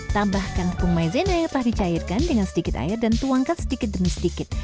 tambahkan tepung maizena yang telah dicairkan dengan sedikit air dan tuangkan sedikit demi sedikit